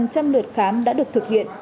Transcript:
trăm lượt khám đã được thực hiện